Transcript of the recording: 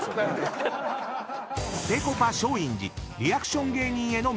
［ぺこぱ松陰寺リアクション芸人への道］